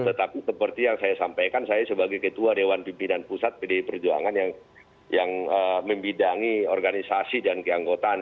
tetapi seperti yang saya sampaikan saya sebagai ketua dewan pimpinan pusat pdi perjuangan yang membidangi organisasi dan keanggotaan